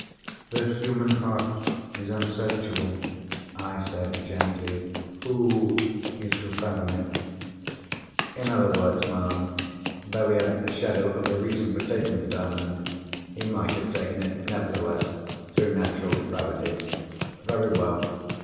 "The human heart is unsearchable," I said gently. "Who is to fathom it?" "In other words, ma'am—though he hadn't the shadow of a reason for taking the Diamond—he might have taken it, nevertheless, through natural depravity. Very well.